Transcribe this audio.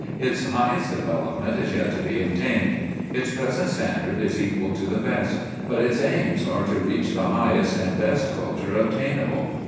Its highest development is yet to be obtained. Its present standard is equal to the best, but its aims are to reach the highest and best culture obtainable.